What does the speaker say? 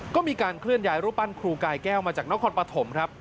ก็มีการเคลื่อนย้ายรูปปั้นครูกายแก้วมาจากนครปฐมครับ